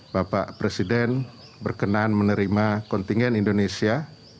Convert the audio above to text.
bapak presiden berkenan menerima kontingen indonesia